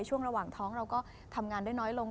ช่วงระหว่างท้องเราก็ทำงานได้น้อยลง